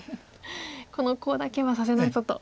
「このコウだけはさせないぞ」と。